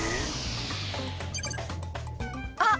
あっ！